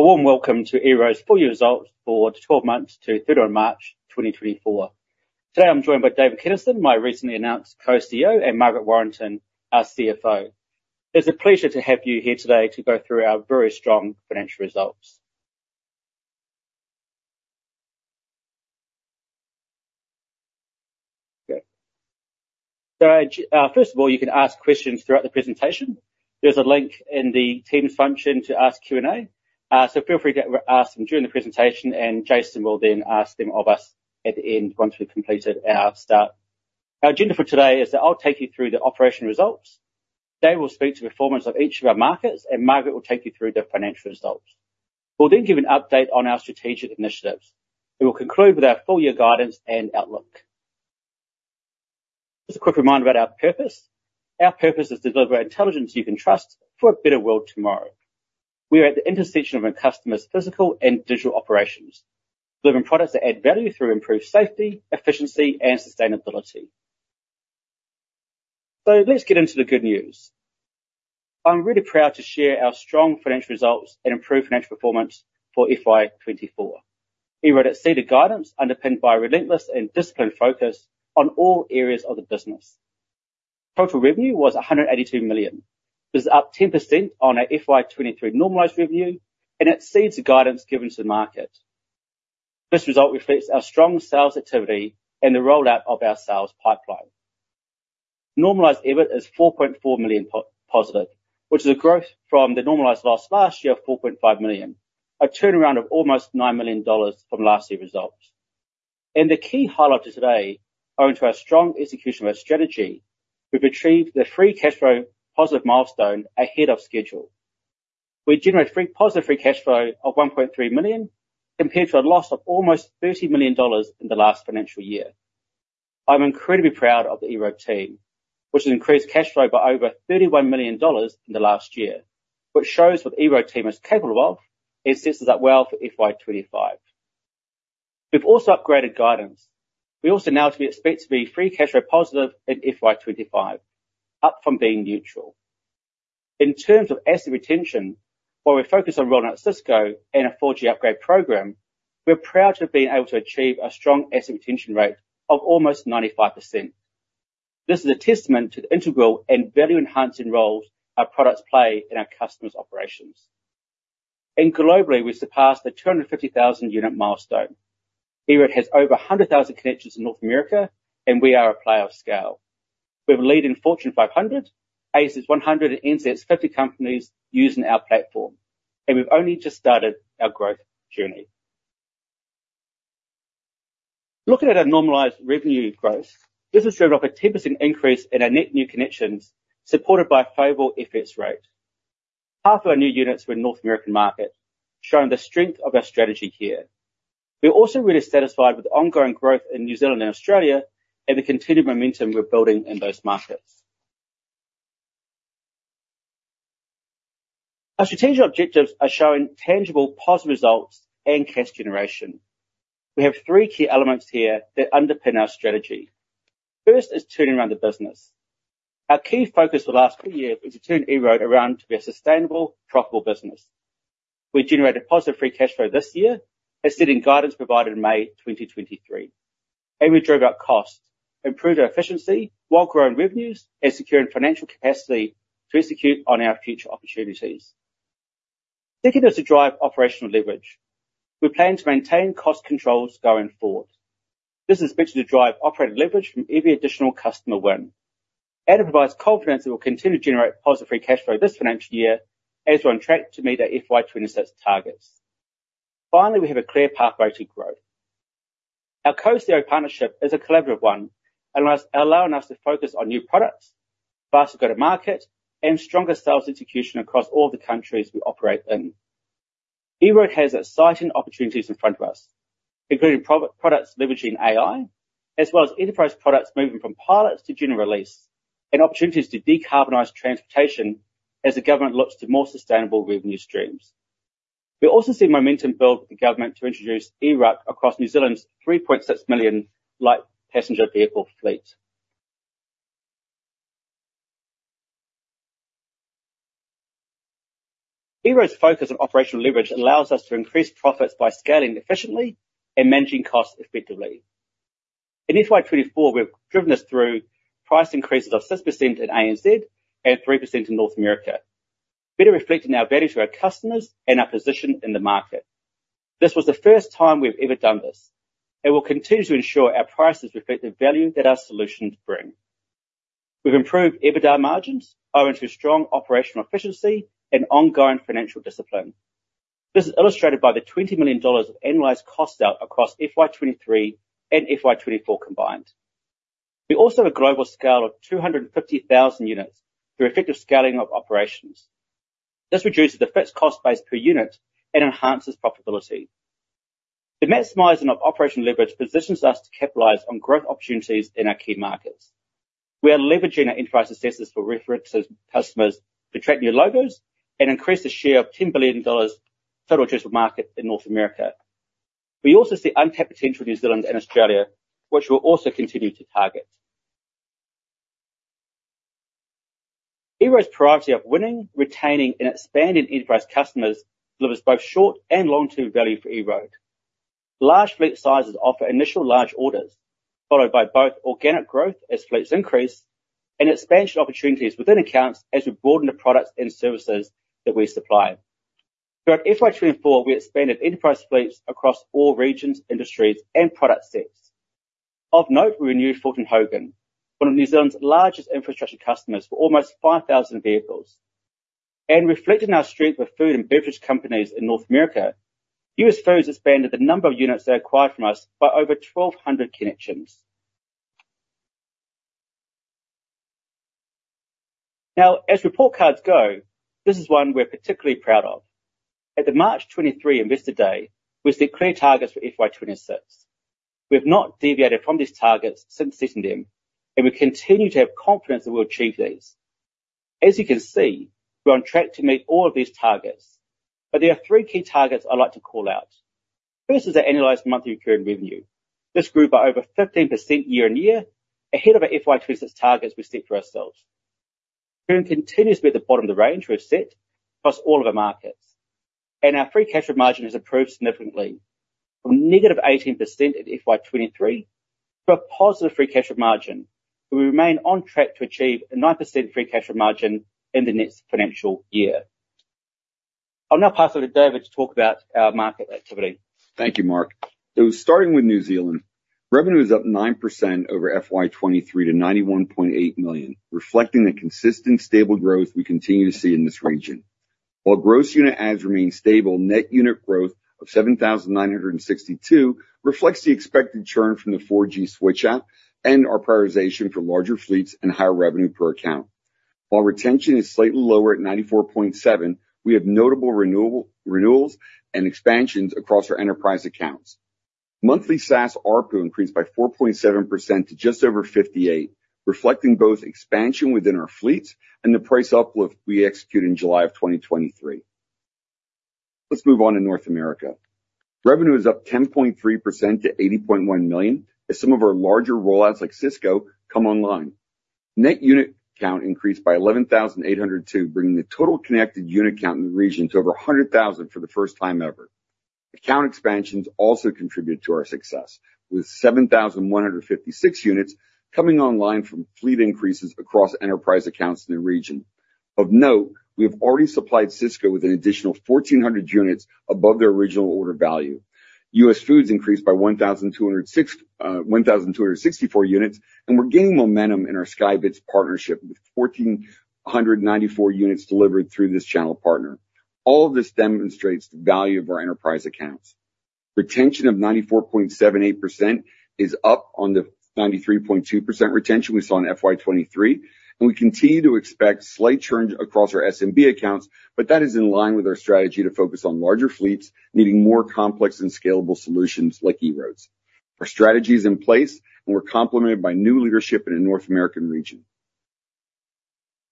A warm welcome to EROAD's full year results for the 12 months to the 3rd of March 2024. Today, I'm joined by David Kenneson, my recently announced co-CEO, and Margaret Warrington, our CFO. It's a pleasure to have you here today to go through our very strong financial results. Okay. So, first of all, you can ask questions throughout the presentation. There's a link in the Teams function to ask Q&A. So feel free to ask them during the presentation, and Jason will then ask them of us at the end once we've completed our start. Our agenda for today is that I'll take you through the operational results. David will speak to the performance of each of our markets, and Margaret will take you through the financial results. We'll then give an update on our strategic initiatives and we'll conclude with our full year guidance and outlook. Just a quick reminder about our purpose. Our purpose is to deliver intelligence you can trust for a better world tomorrow. We are at the intersection of a customer's physical and digital operations, delivering products that add value through improved safety, efficiency, and sustainability. So let's get into the good news. I'm really proud to share our strong financial results and improved financial performance for FY 2024. EROAD exceeded guidance underpinned by a relentless and disciplined focus on all areas of the business. Total revenue was 182 million. This is up 10% on our FY 2023 normalized revenue, and exceeds the guidance given to the market. This result reflects our strong sales activity and the rollout of our sales pipeline. Normalized EBIT is 4.4 million+, which is a growth from the normalized loss last year of 4.5 million, a turnaround of almost 9 million dollars from last year's results. The key highlight today, owing to our strong execution of our strategy, we've achieved the free cash flow positive milestone ahead of schedule. We generated positive free cash flow of 1.3 million, compared to a loss of almost 30 million dollars in the last financial year. I'm incredibly proud of the EROAD team, which has increased cash flow by over 31 million dollars in the last year, which shows what the EROAD team is capable of and sets us up well for FY 2025. We've also upgraded guidance. We now also expect to be free cash flow positive in FY 2025, up from being neutral. In terms of asset retention, while we're focused on rolling out Sysco and a 4G upgrade program, we're proud to have been able to achieve a strong asset retention rate of almost 95%. This is a testament to the integral and value-enhancing roles our products play in our customers' operations. Globally, we surpassed the 250,000 unit milestone. EROAD has over 100,000 connections in North America, and we are a player of scale. We have a lead in Fortune 500, ASX 100, and NZ 50 companies using our platform, and we've only just started our growth journey. Looking at our normalized revenue growth, this is showing of a 10% increase in our net new connections, supported by a favorable FX rate. Half of our new units were in North American market, showing the strength of our strategy here. We are also really satisfied with the ongoing growth in New Zealand and Australia and the continued momentum we're building in those markets. Our strategic objectives are showing tangible, positive results and cash generation. We have three key elements here that underpin our strategy. First is turning around the business. Our key focus for the last two years was to turn EROAD around to be a sustainable, profitable business. We generated positive free cash flow this year, as stated in guidance provided in May 2023, and we drove our costs, improved our efficiency while growing revenues and securing financial capacity to execute on our future opportunities. Secondly, was to drive operational leverage. We plan to maintain cost controls going forward. This is expected to drive operating leverage from every additional customer win and it provides confidence that we'll continue to generate positive free cash flow this financial year, as we're on track to meet our FY 2026 targets. Finally, we have a clear pathway to growth. Our co-CEO partnership is a collaborative one, allowing us, allowing us to focus on new products, faster go-to-market, and stronger sales execution across all the countries we operate in. EROAD has exciting opportunities in front of us, including products leveraging AI, as well as enterprise products moving from pilots to general release, and opportunities to decarbonize transportation as the government looks to more sustainable revenue streams. We also see momentum build with the government to introduce EROAD across New Zealand's 3.6 million light passenger vehicle fleet. EROAD's focus on operational leverage allows us to increase profits by scaling efficiently and managing costs effectively. In FY 2024, we've driven this through price increases of 6% in ANZ and 3% in North America, better reflecting our value to our customers and our position in the market. This was the first time we've ever done this, and we'll continue to ensure our prices reflect the value that our solutions bring. We've improved EBITDA margins owing to strong operational efficiency and ongoing financial discipline. This is illustrated by the 20 million dollars of annualized cost out across FY 2023 and FY 2024 combined. We also have a global scale of 250,000 units through effective scaling of operations. This reduces the fixed cost base per unit and enhances profitability. The maximizing of operational leverage positions us to capitalize on growth opportunities in our key markets. We are leveraging our enterprise successes for references with customers to attract new logos and increase the share of $10 billion total addressable market in North America. We also see untapped potential in New Zealand and Australia, which we'll also continue to target.... EROAD's priority of winning, retaining, and expanding enterprise customers delivers both short and long-term value for EROAD. Large fleet sizes offer initial large orders, followed by both organic growth as fleets increase, and expansion opportunities within accounts as we broaden the products and services that we supply. Throughout FY 2024, we expanded enterprise fleets across all regions, industries, and product sets. Of note, we renewed Fulton Hogan, one of New Zealand's largest infrastructure customers, for almost 5,000 vehicles. Reflecting our strength with food and beverage companies in North America, US Foods expanded the number of units they acquired from us by over 1,200 connections. Now, as report cards go, this is one we're particularly proud of. At the March 2023 Investor Day, we set clear targets for FY 2026. We have not deviated from these targets since setting them, and we continue to have confidence that we'll achieve these. As you can see, we're on track to meet all of these targets, but there are three key targets I'd like to call out. First is the annualized monthly recurring revenue. This grew by over 15% year-on-year, ahead of our FY 2026 targets we set for ourselves. Churn continues to be at the bottom of the range we have set across all of our markets, and our free cash flow margin has improved significantly from negative 18% at FY 2023 to a positive free cash flow margin. We remain on track to achieve a 9% free cash flow margin in the next financial year. I'll now pass over to David to talk about our market activity. Thank you, Mark. Starting with New Zealand, revenue is up 9% over FY 2023 to 91.8 million, reflecting the consistent, stable growth we continue to see in this region. While gross unit adds remain stable, net unit growth of 7,962 reflects the expected churn from the 4G switch out and our prioritization for larger fleets and higher revenue per account. While retention is slightly lower at 94.7%, we have notable renewals and expansions across our enterprise accounts. Monthly SaaS ARPU increased by 4.7% to just over 58, reflecting both expansion within our fleets and the price uplift we executed in July 2023. Let's move on to North America. Revenue is up 10.3% to 80.1 million, as some of our larger rollouts, like Sysco, come online. Net unit count increased by 11,800, bringing the total connected unit count in the region to over 100,000 for the first time ever. Account expansions also contributed to our success, with 7,156 units coming online from fleet increases across enterprise accounts in the region. Of note, we have already supplied Sysco with an additional 1,400 units above their original order value. US Foods increased by 1,264 units, and we're gaining momentum in our SkyBitz partnership, with 1,494 units delivered through this channel partner. All of this demonstrates the value of our enterprise accounts. Retention of 94.78% is up on the 93.2% retention we saw in FY 2023, and we continue to expect slight churn across our SMB accounts, but that is in line with our strategy to focus on larger fleets needing more complex and scalable solutions like EROAD. Our strategy is in place, and we're complemented by new leadership in the North American region.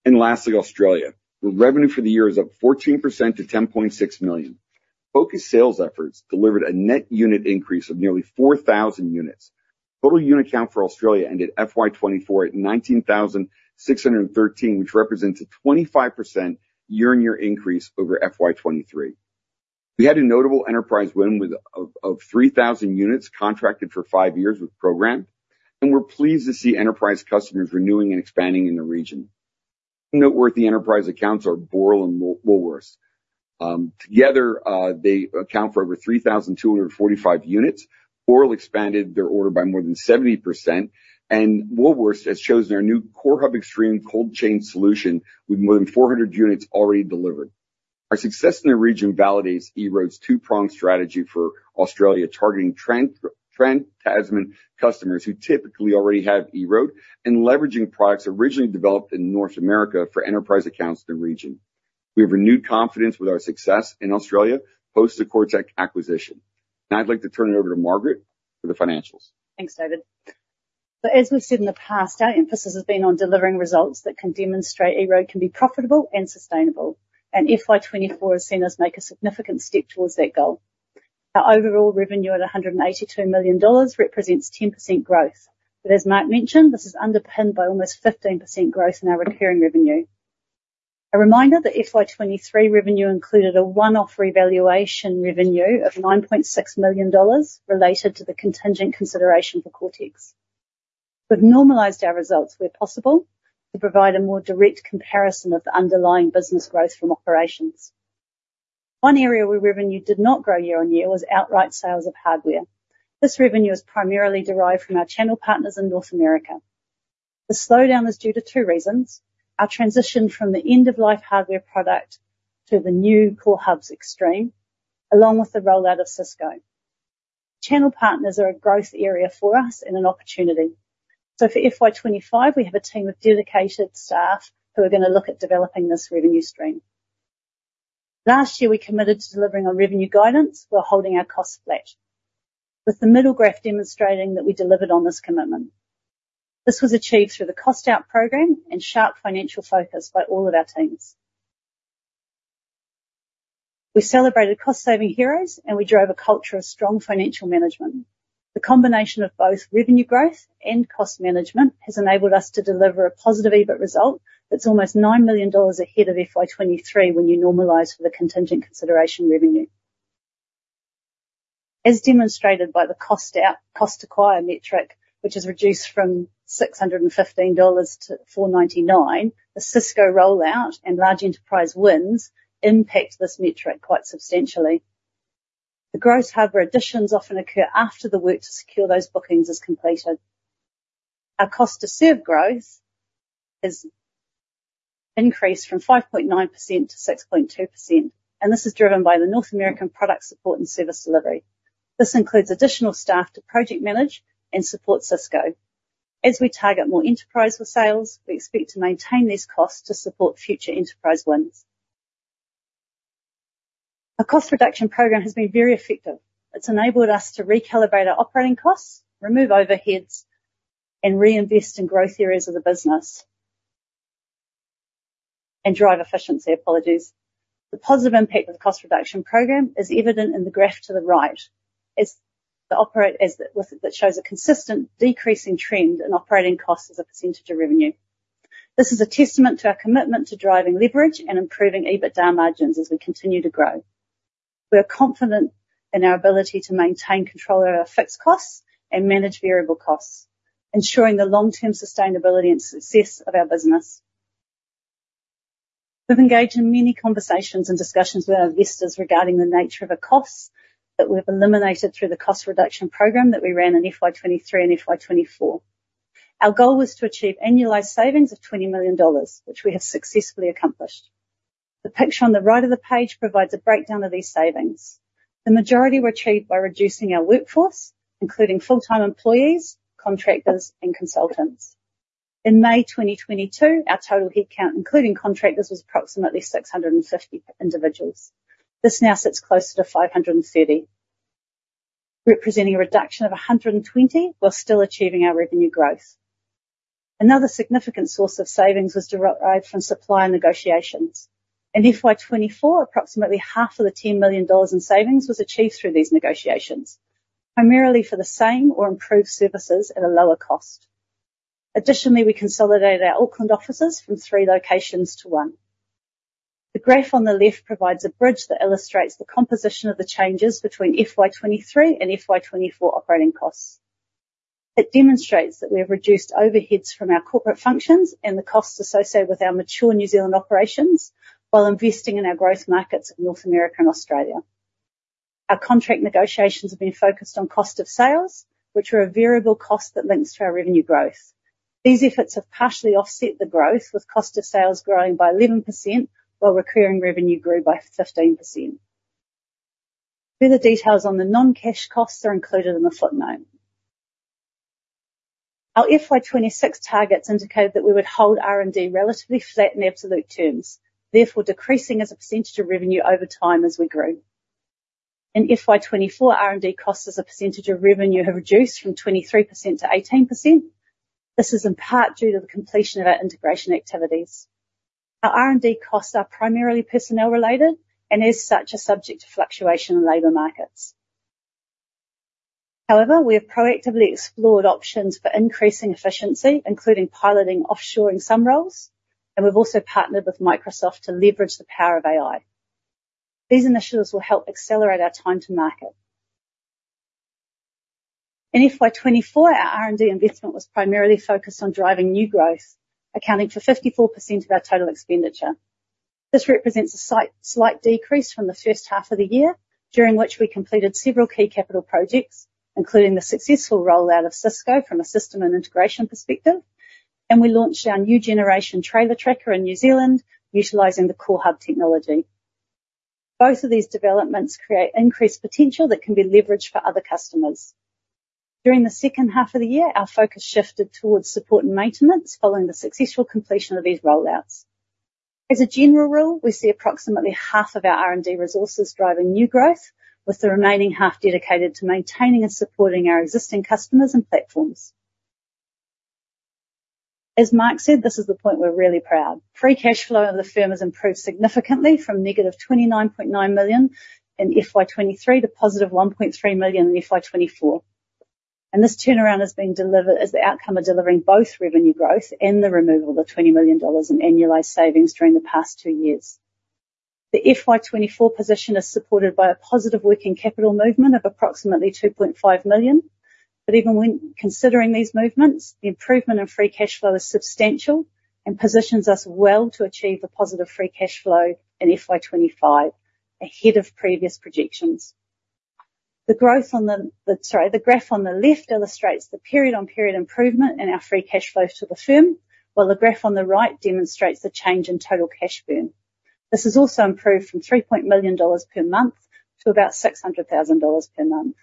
And lastly, Australia, where revenue for the year is up 14% to 10.6 million. Focused sales efforts delivered a net unit increase of nearly 4,000 units. Total unit count for Australia ended FY 2024 at 19,613, which represents a 25% year-on-year increase over FY 2023. We had a notable enterprise win with Programmed of 3,000 units contracted for five years, and we're pleased to see enterprise customers renewing and expanding in the region. Noteworthy enterprise accounts are Boral and Woolworths. Together, they account for over 3,245 units. Boral expanded their order by more than 70%, and Woolworths has chosen our new CoreHub Xtreme cold chain solution, with more than 400 units already delivered. Our success in the region validates EROAD's two-pronged strategy for Australia, targeting trans-Tasman customers who typically already have EROAD, and leveraging products originally developed in North America for enterprise accounts in the region. We have renewed confidence with our success in Australia post the Coretex acquisition. Now I'd like to turn it over to Margaret for the financials. Thanks, David. So as we've said in the past, our emphasis has been on delivering results that can demonstrate EROAD can be profitable and sustainable, and FY 2024 has seen us make a significant step towards that goal. Our overall revenue, at 182 million dollars, represents 10% growth. But as Mark mentioned, this is underpinned by almost 15% growth in our recurring revenue. A reminder that FY 2023 revenue included a one-off revaluation revenue of 9.6 million dollars related to the contingent consideration for Coretex. We've normalized our results where possible to provide a more direct comparison of the underlying business growth from operations. One area where revenue did not grow year-on-year was outright sales of hardware. This revenue is primarily derived from our channel partners in North America. The slowdown was due to two reasons: our transition from the end of life hardware product to the new CoreHub Xtreme, along with the rollout of Sysco. Channel partners are a growth area for us and an opportunity. So for FY 2025, we have a team of dedicated staff who are gonna look at developing this revenue stream. Last year, we committed to delivering on revenue guidance while holding our costs flat, with the middle graph demonstrating that we delivered on this commitment. This was achieved through the cost-out program and sharp financial focus by all of our teams.... We celebrated cost saving heroes, and we drove a culture of strong financial management. The combination of both revenue growth and cost management has enabled us to deliver a positive EBIT result that's almost 9 million dollars ahead of FY 2023 when you normalize for the contingent consideration revenue. As demonstrated by the cost out, Cost to Acquire metric, which has reduced from 615 dollars to 499, the Sysco rollout and large enterprise wins impact this metric quite substantially. The gross hardware additions often occur after the work to secure those bookings is completed. Our Cost to Serve growth has increased from 5.9% to 6.2%, and this is driven by the North American product support and service delivery. This includes additional staff to project manage and support Sysco. As we target more enterprise with sales, we expect to maintain these costs to support future enterprise wins. Our cost reduction program has been very effective. It's enabled us to recalibrate our operating costs, remove overheads, and reinvest in growth areas of the business. Drive efficiency. Apologies. The positive impact of the cost reduction program is evident in the graph to the right, that shows a consistent decreasing trend in operating costs as a percentage of revenue. This is a testament to our commitment to driving leverage and improving EBITDA margins as we continue to grow. We are confident in our ability to maintain control over our fixed costs and manage variable costs, ensuring the long-term sustainability and success of our business. We've engaged in many conversations and discussions with our investors regarding the nature of the costs that we've eliminated through the cost reduction program that we ran in FY 2023 and FY 2024. Our goal was to achieve annualized savings of $20 million, which we have successfully accomplished. The picture on the right of the page provides a breakdown of these savings. The majority were achieved by reducing our workforce, including full-time employees, contractors, and consultants. In May 2022, our total headcount, including contractors, was approximately 650 individuals. This now sits closer to 530, representing a reduction of 120 while still achieving our revenue growth. Another significant source of savings was derived from supplier negotiations. In FY 2024, approximately half of the 10 million dollars in savings was achieved through these negotiations, primarily for the same or improved services at a lower cost. Additionally, we consolidated our Auckland offices from three locations to one. The graph on the left provides a bridge that illustrates the composition of the changes between FY 2023 and FY 2024 operating costs. It demonstrates that we have reduced overheads from our corporate functions and the costs associated with our mature New Zealand operations while investing in our growth markets of North America and Australia. Our contract negotiations have been focused on cost of sales, which are a variable cost that links to our revenue growth. These efforts have partially offset the growth, with cost of sales growing by 11%, while recurring revenue grew by 15%. Further details on the non-cash costs are included in the footnote. Our FY 2026 targets indicated that we would hold R&D relatively flat in absolute terms, therefore decreasing as a percentage of revenue over time as we grow. In FY 2024, R&D costs as a percentage of revenue have reduced from 23% to 18%. This is in part due to the completion of our integration activities. Our R&D costs are primarily personnel related and as such, are subject to fluctuation in labor markets. However, we have proactively explored options for increasing efficiency, including piloting offshoring some roles, and we've also partnered with Microsoft to leverage the power of AI. These initiatives will help accelerate our time to market. In FY 2024, our R&D investment was primarily focused on driving new growth, accounting for 54% of our total expenditure. This represents a slight, slight decrease from the first half of the year, during which we completed several key capital projects, including the successful rollout of Sysco from a system and integration perspective, and we launched our new generation trailer tracker in New Zealand utilizing the CoreHub technology. Both of these developments create increased potential that can be leveraged for other customers. During the second half of the year, our focus shifted towards support and maintenance following the successful completion of these rollouts. As a general rule, we see approximately half of our R&D resources driving new growth, with the remaining half dedicated to maintaining and supporting our existing customers and platforms. As Mark said, this is the point we're really proud. Free cash flow of the firm has improved significantly from -29.9 million in FY 2023 to 1.3 million in FY 2024, and this turnaround has been delivered as the outcome of delivering both revenue growth and the removal of the 20 million dollars in annualized savings during the past two years. The FY 2024 position is supported by a positive working capital movement of approximately 2.5 million. But even when considering these movements, the improvement in free cash flow is substantial and positions us well to achieve a positive free cash flow in FY 2025 ahead of previous projections. The growth on the... Sorry. The graph on the left illustrates the period-on-period improvement in our free cash flows to the firm, while the graph on the right demonstrates the change in total cash burn. This has also improved from 3 million dollars per month to about 600,000 dollars per month,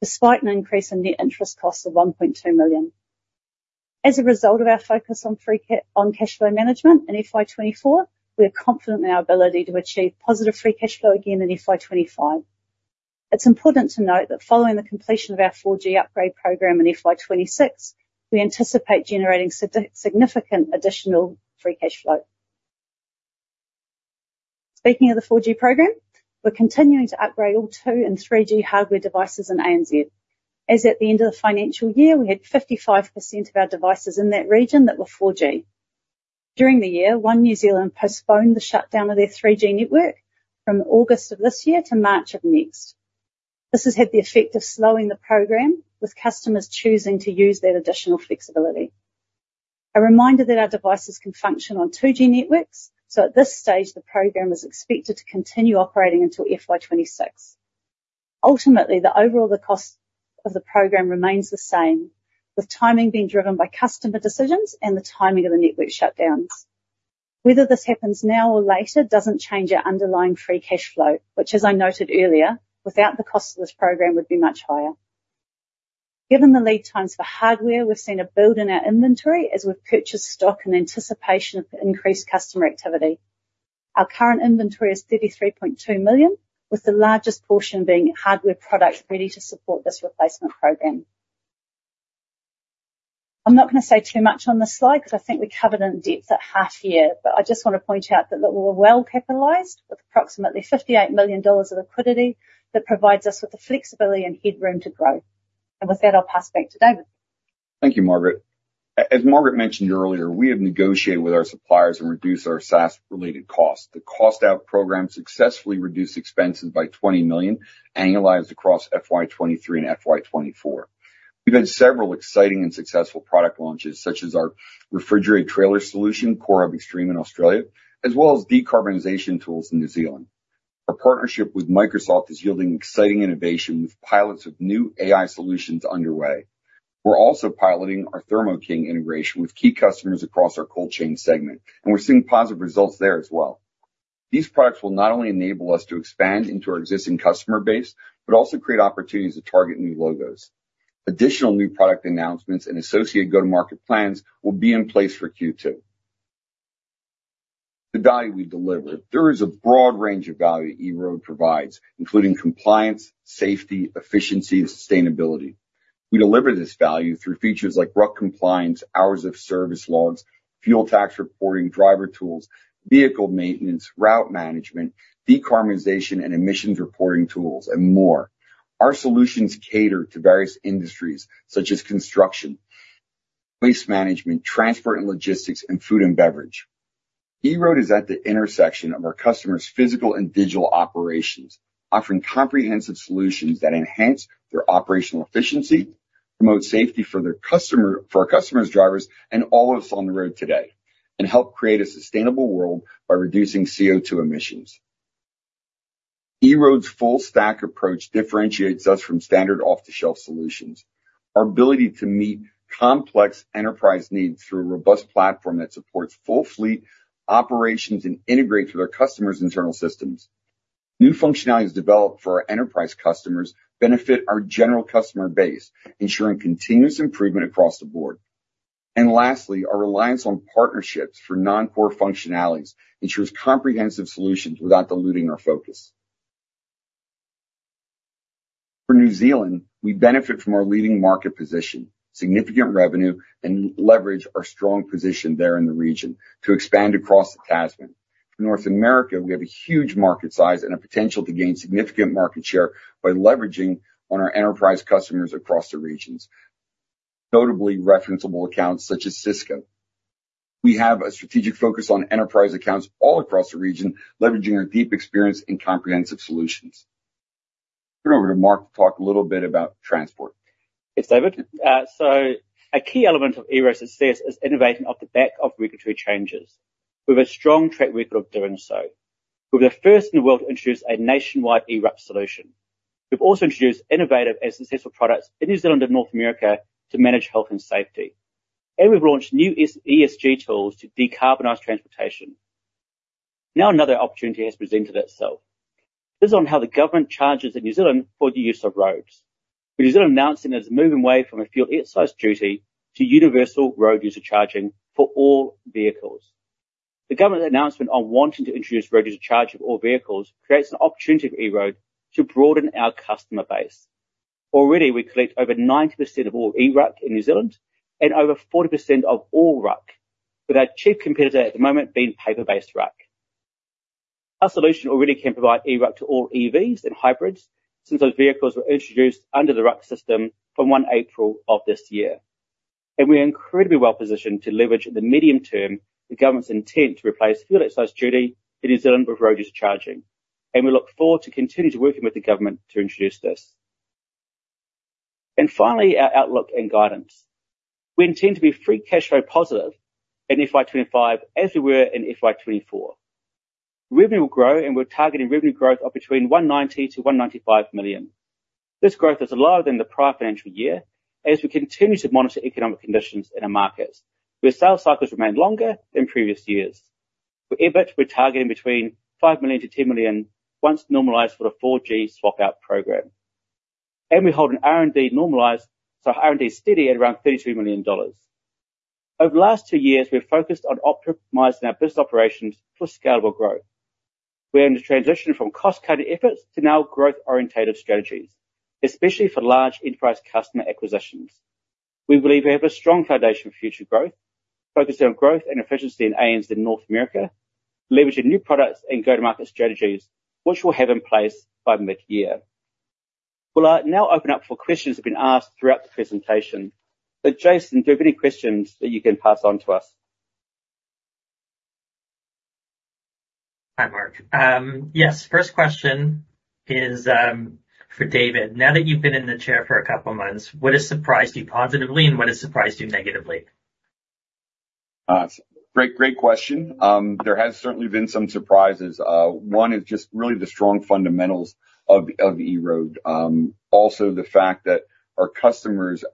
despite an increase in net interest costs of 1.2 million. As a result of our focus on free cash flow management in FY 2024, we are confident in our ability to achieve positive free cash flow again in FY 2025. It's important to note that following the completion of our 4G upgrade program in FY 2026, we anticipate generating significant additional free cash flow. Speaking of the 4G program, we're continuing to upgrade all 2G and 3G hardware devices in ANZ. As at the end of the financial year, we had 55% of our devices in that region that were 4G. During the year, One New Zealand postponed the shutdown of their 3G network from August of this year to March of next. This has had the effect of slowing the program, with customers choosing to use that additional flexibility. A reminder that our devices can function on 2G networks, so at this stage, the program is expected to continue operating until FY 2026. Ultimately, the overall cost of the program remains the same, with timing being driven by customer decisions and the timing of the network shutdowns. Whether this happens now or later, doesn't change our underlying free cash flow, which, as I noted earlier, without the cost of this program, would be much higher. Given the lead times for hardware, we've seen a build in our inventory as we've purchased stock in anticipation of the increased customer activity. Our current inventory is $33.2 million, with the largest portion being hardware product ready to support this replacement program. I'm not gonna say too much on this slide, because I think we covered it in depth at half year, but I just want to point out that we're well capitalized, with approximately $58 million of liquidity that provides us with the flexibility and headroom to grow. With that, I'll pass it back to David. Thank you, Margaret. As Margaret mentioned earlier, we have negotiated with our suppliers and reduced our SaaS-related costs. The cost out program successfully reduced expenses by 20 million, annualized across FY 2023 and FY 2024. We've had several exciting and successful product launches, such as our refrigerated trailer solution, CoreHub Xtreme in Australia, as well as decarbonization tools in New Zealand. Our partnership with Microsoft is yielding exciting innovation, with pilots of new AI solutions underway. We're also piloting our Thermo King integration with key customers across our cold chain segment, and we're seeing positive results there as well. These products will not only enable us to expand into our existing customer base, but also create opportunities to target new logos. Additional new product announcements and associated go-to-market plans will be in place for Q2. The value we deliver. There is a broad range of value EROAD provides, including compliance, safety, efficiency, and sustainability. We deliver this value through features like RUC compliance, hours of service logs, fuel tax reporting, driver tools, vehicle maintenance, route management, decarbonization and emissions reporting tools, and more. Our solutions cater to various industries such as construction, waste management, transport and logistics, and food and beverage. EROAD is at the intersection of our customers' physical and digital operations, offering comprehensive solutions that enhance their operational efficiency, promote safety for their customer, for our customers' drivers and all of us on the road today, and help create a sustainable world by reducing CO2 emissions. EROAD's full stack approach differentiates us from standard off-the-shelf solutions. Our ability to meet complex enterprise needs through a robust platform that supports full fleet operations and integrates with our customers' internal systems. New functionalities developed for our enterprise customers benefit our general customer base, ensuring continuous improvement across the board. And lastly, our reliance on partnerships for non-core functionalities ensures comprehensive solutions without diluting our focus. For New Zealand, we benefit from our leading market position, significant revenue, and leverage our strong position there in the region to expand across the Tasman. For North America, we have a huge market size and a potential to gain significant market share by leveraging on our enterprise customers across the regions, notably referenceable accounts such as Sysco. We have a strategic focus on enterprise accounts all across the region, leveraging our deep experience in comprehensive solutions. Turn it over to Mark to talk a little bit about transport. Yes, David. So a key element of EROAD's success is innovating off the back of regulatory changes. We have a strong track record of doing so. We're the first in the world to introduce a nationwide eRUC solution. We've also introduced innovative and successful products in New Zealand and North America to manage health and safety, and we've launched new ESG tools to decarbonize transportation. Now, another opportunity has presented itself. This is on how the government charges in New Zealand for the use of roads, with New Zealand announcing that it's moving away from a fuel excise duty to universal road user charging for all vehicles. The government announcement on wanting to introduce road user charging of all vehicles creates an opportunity for EROAD to broaden our customer base. Already, we collect over 90% of all eRUC in New Zealand and over 40% of all RUC, with our chief competitor at the moment being paper-based RUC. Our solution already can provide eRUC to all EVs and hybrids, since those vehicles were introduced under the RUC system from 1 April of this year. And we are incredibly well positioned to leverage, in the medium term, the government's intent to replace Fuel Excise Duty in New Zealand with road user charging, and we look forward to continue to working with the government to introduce this. And finally, our outlook and guidance. We intend to be free cash flow positive in FY 2025, as we were in FY 2024. Revenue will grow, and we're targeting revenue growth of between 190 million to 195 million. This growth is lower than the prior financial year, as we continue to monitor economic conditions in our markets, where sales cycles remain longer than previous years. For EBIT, we're targeting between 5 million-10 million once normalized for the 4G swap-out program, and we're holding R&D normalized, so R&D is steady at around 32 million dollars. Over the last two years, we've focused on optimizing our business operations for scalable growth. We are in the transition from cost-cutting efforts to now growth-oriented strategies, especially for large enterprise customer acquisitions. We believe we have a strong foundation for future growth, focusing on growth and efficiency in ANZs in North America, leveraging new products and go-to-market strategies, which we'll have in place by mid-year. Well, I'll now open up for questions that have been asked throughout the presentation. But Jason, do you have any questions that you can pass on to us? Hi, Mark. Yes. First question is, for David. Now that you've been in the chair for a couple of months, what has surprised you positively, and what has surprised you negatively? Great, great question. There has certainly been some surprises. One is just really the strong fundamentals of EROAD. Also, the fact that our customers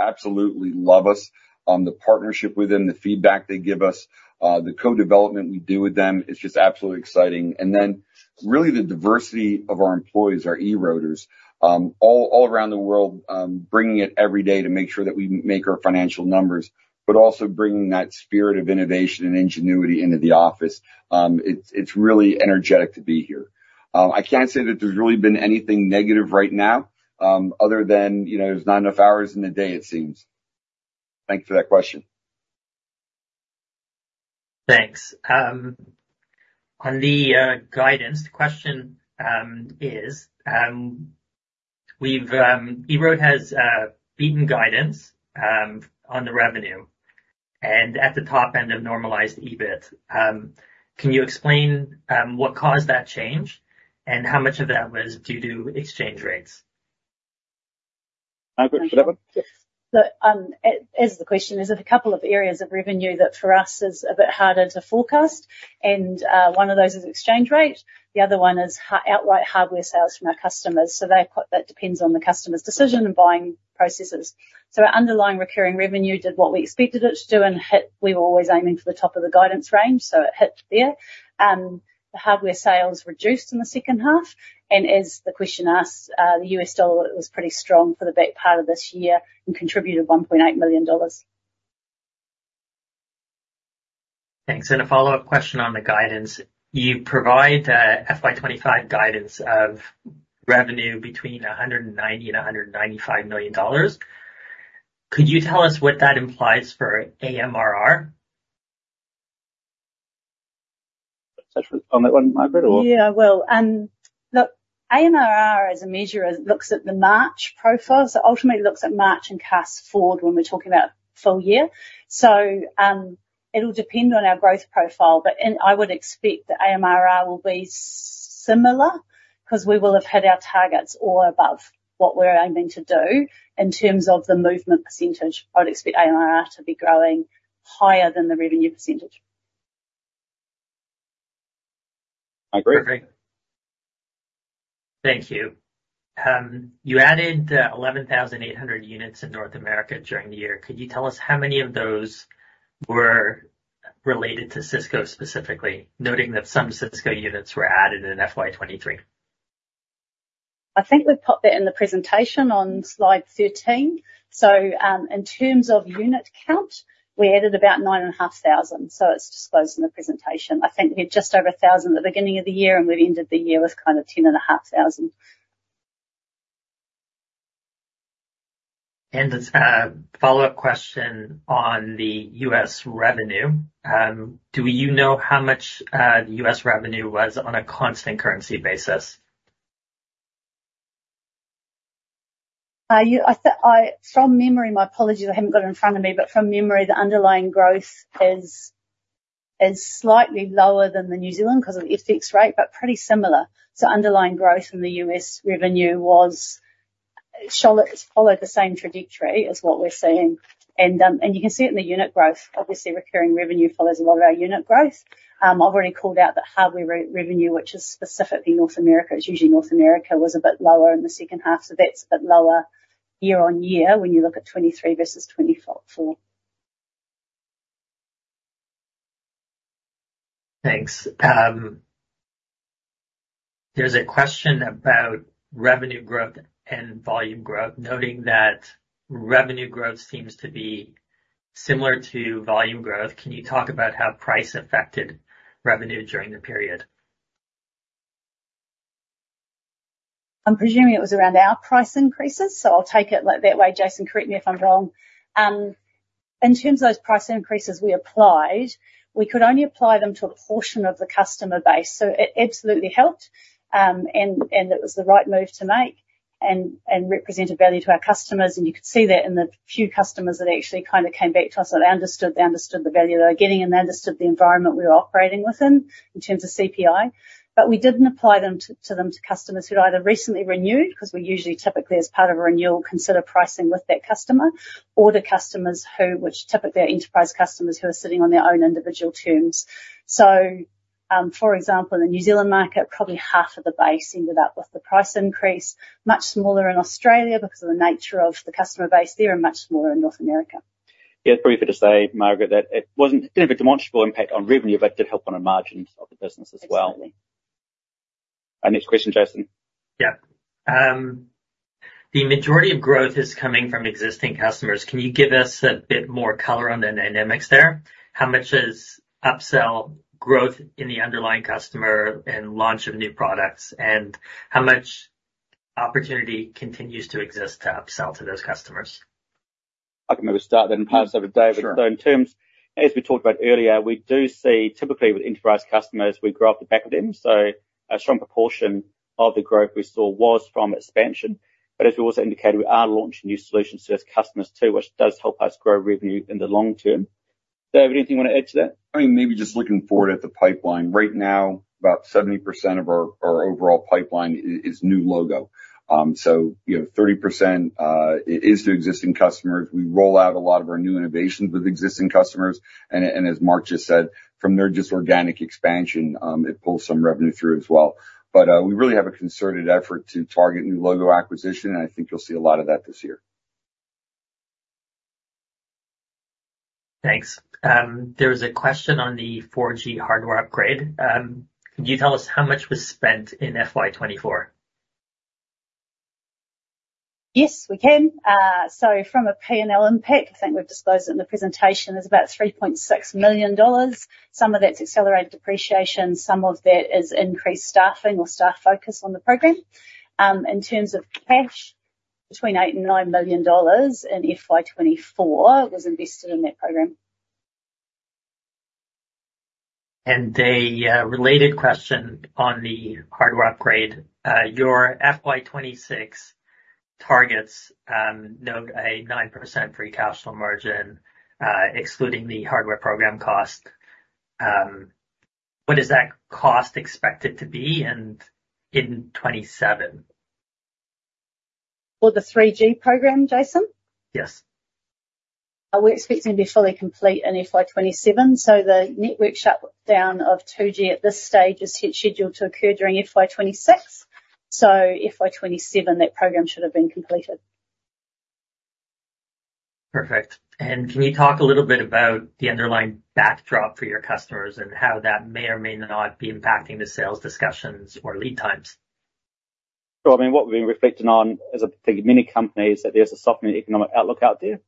absolutely love us, the partnership with them, the feedback they give us, the co-development we do with them, it's just absolutely exciting. And then really the diversity of our employees, our EROADers, all around the world, bringing it every day to make sure that we make our financial numbers, but also bringing that spirit of innovation and ingenuity into the office. It's really energetic to be here. I can't say that there's really been anything negative right now, other than, you know, there's not enough hours in the day, it seems. Thank you for that question. Thanks. On the guidance, the question is, EROAD has beaten guidance on the revenue and at the top end of normalized EBIT. Can you explain what caused that change, and how much of that was due to exchange rates? Margaret, for that one? Yes. Look, as the question is, there's a couple of areas of revenue that for us is a bit harder to forecast. And, one of those is exchange rate, the other one is outright hardware sales from our customers. So they're that depends on the customer's decision and buying processes. So our underlying recurring revenue did what we expected it to do and hit. We were always aiming for the top of the guidance range, so it hit there. The hardware sales reduced in the second half, and as the question asks, the US dollar was pretty strong for the back part of this year and contributed $1.8 million. Thanks. A follow-up question on the guidance. You provide FY 2025 guidance of revenue between $190 million and $195 million. Could you tell us what that implies for AMRR? Touch on that one, Margaret, or? Yeah, I will. Look, AMRR as a measure looks at the March profile. So ultimately looks at March and casts forward when we're talking about full year. So, it'll depend on our growth profile, but, and I would expect the AMRR will be similar, 'cause we will have hit our targets or above what we're aiming to do in terms of the movement percentage. I'd expect AMRR to be growing higher than the revenue percentage. Agreed. Perfect. Thank you. You added 11,800 units in North America during the year. Could you tell us how many of those were related to Sysco specifically, noting that some Sysco units were added in FY 2023? I think we've popped that in the presentation on slide 13. So, in terms of unit count, we added about 9,500, so it's disclosed in the presentation. I think we had just over 1,000 at the beginning of the year, and we've ended the year with kind of 10,500. As a follow-up question on the US revenue, do you know how much the US revenue was on a constant currency basis? Yeah, from memory, my apologies, I haven't got it in front of me, but from memory, the underlying growth is slightly lower than the New Zealand because of the FX rate, but pretty similar. So underlying growth in the US revenue was, it's followed the same trajectory as what we're seeing. And you can see it in the unit growth. Obviously, recurring revenue follows a lot of our unit growth. I've already called out that hardware revenue, which is specifically North America. It's usually North America, was a bit lower in the second half, so that's a bit lower year on year when you look at 2023 versus 2024. Thanks. There's a question about revenue growth and volume growth, noting that revenue growth seems to be similar to volume growth. Can you talk about how price affected revenue during the period? I'm presuming it was around our price increases, so I'll take it like that way. Jason, correct me if I'm wrong. In terms of those price increases we applied, we could only apply them to a portion of the customer base, so it absolutely helped. And it was the right move to make and represented value to our customers. And you could see that in the few customers that actually kind of came back to us, that they understood, they understood the value they were getting, and they understood the environment we were operating within, in terms of CPI. But we didn't apply them to them, to customers who'd either recently renewed, because we usually, typically, as part of a renewal, consider pricing with that customer, or the customers who, which typically are enterprise customers who are sitting on their own individual terms. So, for example, in the New Zealand market, probably half of the base ended up with the price increase. Much smaller in Australia because of the nature of the customer base there, and much smaller in North America. Yeah, briefly to say, Margaret, that it wasn't, it didn't have a demonstrable impact on revenue, but it did help on the margins of the business as well. Our next question, Jason? Yeah. The majority of growth is coming from existing customers. Can you give us a bit more color on the dynamics there? How much is upsell growth in the underlying customer and launch of new products, and how much opportunity continues to exist to upsell to those customers? I can maybe start then pass over to David. Sure. So in terms, as we talked about earlier, we do see typically with enterprise customers, we grow off the back of them. So a strong proportion of the growth we saw was from expansion. But as we also indicated, we are launching new solutions to those customers, too, which does help us grow revenue in the long term. Dave, anything you want to add to that? I mean, maybe just looking forward at the pipeline. Right now, about 70% of our overall pipeline is new logo. So, you know, 30% is to existing customers. We roll out a lot of our new innovations with existing customers, and as Mark just said, from there, just organic expansion, it pulls some revenue through as well. But, we really have a concerted effort to target new logo acquisition, and I think you'll see a lot of that this year. Thanks. There was a question on the 4G hardware upgrade. Can you tell us how much was spent in FY 2024? Yes, we can. From a P&L impact, I think we've disclosed it in the presentation, it's about 3.6 million dollars. Some of that's accelerated depreciation, some of that is increased staffing or staff focus on the program. In terms of cash, between 8 million and 9 million dollars in FY 2024 was invested in that program. A related question on the hardware upgrade. Your FY 2026 targets note a 9% free cash flow margin, excluding the hardware program cost. What is that cost expected to be, and in 2027? For the 3G program, Jason? Yes. We're expecting to be fully complete in FY 2027, so the network shutdown of 2G at this stage is scheduled to occur during FY 2026. So FY 2027, that program should have been completed. Perfect. And can you talk a little bit about the underlying backdrop for your customers and how that may or may not be impacting the sales discussions or lead times? Well, I mean, what we've been reflecting on, as I think many companies, that there's a softening economic outlook out there.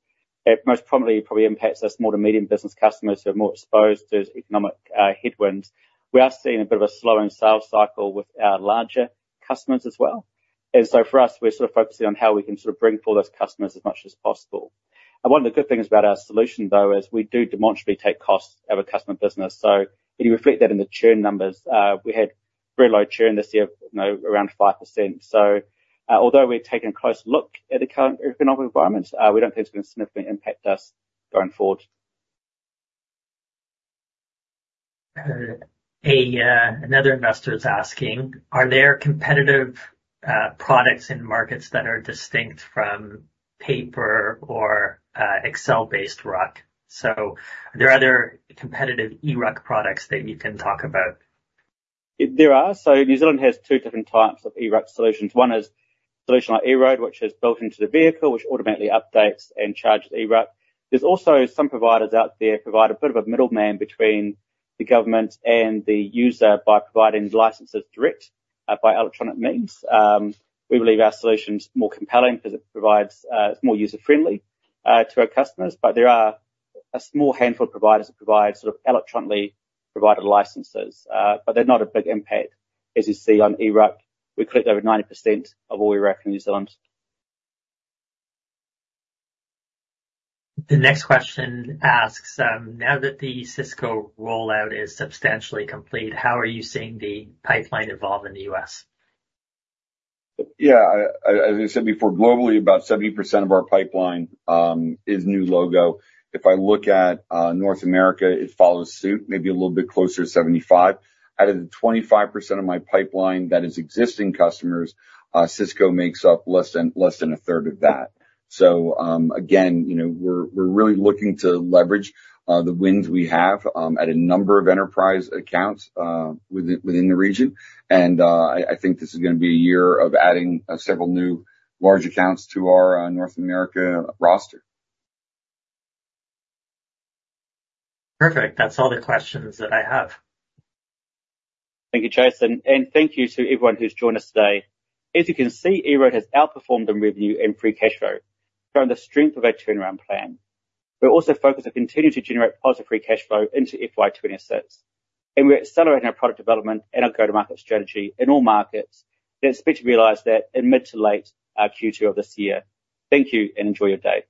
It most prominently probably impacts our small to medium business customers who are more exposed to economic headwinds. We are seeing a bit of a slowing sales cycle with our larger customers as well. And so for us, we're sort of focusing on how we can sort of bring forward those customers as much as possible. And one of the good things about our solution, though, is we do demonstrably take costs out of a customer business. So if you reflect that in the churn numbers, we had very low churn this year, you know, around 5%. So, although we're taking a close look at the current economic environment, we don't think it's going to significantly impact us going forward. Another investor is asking, "Are there competitive products in markets that are distinct from paper or Excel-based RUC? So are there other competitive eRUC products that you can talk about? There are. So New Zealand has two different types of eRUC solutions. One is a solution like EROAD, which is built into the vehicle, which automatically updates and charges eRUC. There's also some providers out there provide a bit of a middleman between the government and the user by providing licenses direct, by electronic means. We believe our solution's more compelling because it provides, it's more user-friendly, to our customers, but there are a small handful of providers that provide sort of electronically provided licenses. But they're not a big impact as you see on eRUC. We collect over 90% of all eRUC in New Zealand. The next question asks: Now that the Sysco rollout is substantially complete, how are you seeing the pipeline evolve in the U.S.? Yeah, as I said before, globally, about 70% of our pipeline is new logo. If I look at North America, it follows suit, maybe a little bit closer to 75. Out of the 25% of my pipeline that is existing customers, Sysco makes up less than, less than a third of that. So, again, you know, we're, we're really looking to leverage the wins we have at a number of enterprise accounts within, within the region. And I think this is going to be a year of adding several new large accounts to our North America roster. Perfect. That's all the questions that I have. Thank you, Jason, and thank you to everyone who's joined us today. As you can see, EROAD has outperformed on revenue and free cash flow from the strength of our turnaround plan. We're also focused on continuing to generate positive free cash flow into FY 2026, and we're accelerating our product development and our go-to-market strategy in all markets, and expect to realize that in mid to late Q2 of this year. Thank you, and enjoy your day.